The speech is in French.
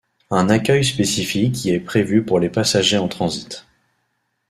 Un accueil spécifique y est prévu pour les passagers en transit.